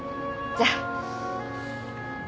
じゃあ。